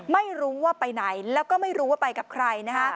ไม่รู้ว่าไปไหนแล้วก็ไม่รู้ว่าไปกับใครนะฮะ